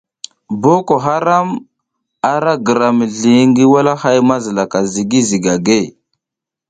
Boko haram ara gira mizli ngi walahay mazilaka ZIGI ZIGAGUE.